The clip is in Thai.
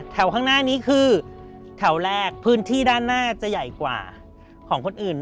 ข้างหน้านี้คือแถวแรกพื้นที่ด้านหน้าจะใหญ่กว่าของคนอื่น